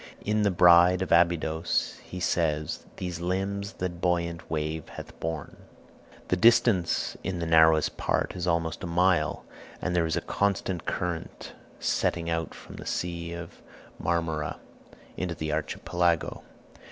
In the "Bride of Abydos" he says, "These limbs that buoyant wave hath borne." The distance in the narrowest part is almost a mile, and there is a constant current setting out from the Sea of Marmora into the Archipelago.